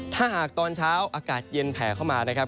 ถ้าหากตอนเช้าอากาศเย็นแผ่เข้ามานะครับ